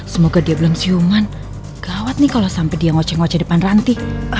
semoga dia belum ciuman gawat nih kalau sampai dia ngoceh ngoceh depan ranti